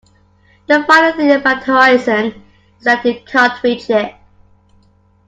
The funny thing about the horizon is that you can't reach it.